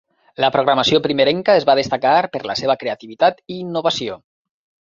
La programació primerenca es va destacar per la seva creativitat i innovació.